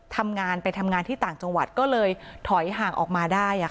ทำงานไปทำงานที่ต่างจังหวัดก็เลยถอยห่างออกมาได้